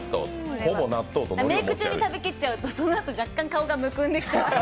メーク中に食べきっちゃうとそのあと顔がむくんできちゃって。